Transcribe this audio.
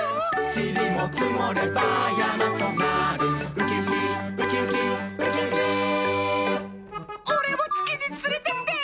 ちりもつもればやまとなるウキウキウキウキウキウキおれもつきにつれてって！